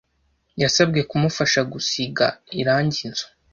Yasabwe kumufasha gusiga irangi inzu.